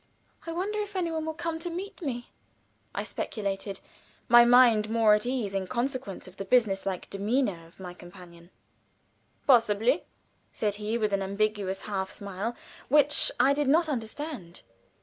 "I wonder if any one will come to meet me," I speculated, my mind more at ease in consequence of the business like demeanor of my companion. "Possibly," said he, with an ambiguous half smile, which I did not understand.